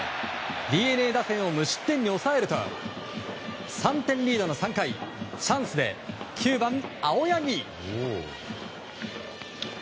ＤｅＮＡ打線を無失点に抑えると３点リードの３回チャンスで９番、青柳。